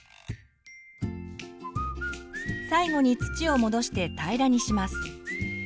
最後に土を戻して平らにします。